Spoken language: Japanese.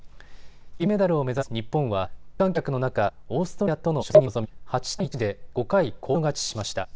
金メダルを目指す日本は無観客の中、オーストラリアとの初戦に臨み８対１で５回コールド勝ちしました。